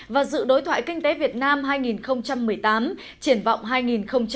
và dự đối thoại kinh tế việt nam hai nghìn một mươi tám triển vọng hai nghìn một mươi chín